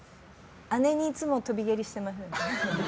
姉にいつも跳び蹴りしてました。